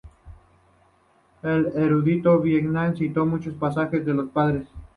El erudito Bingham citó muchos pasajes de los Padres.